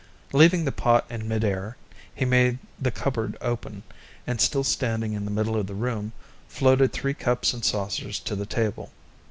Leaving the pot in mid air, he made the cupboard open, and still standing in the middle of the room, floated three cups and saucers to the table.